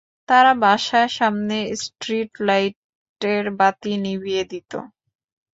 তারা বাসার সামনের স্ট্রীট লাইটের বাতি নিভিয়ে দিত।